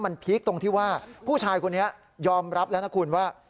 มันพีคตรงที่ว่าผู้ชายคนนี้ยอมรับแล้วนะคุณว่า